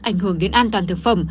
ảnh hưởng đến an toàn thực phẩm